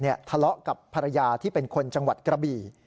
ทะเลาะกับภรรยาที่เป็นคนจังหวัดกระบี่